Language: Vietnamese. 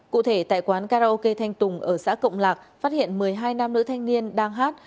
cụ thể tại quán karaoke thanh tùng ở xã cộng lạc phát hiện một mươi hai nam nữ thanh niên đang hát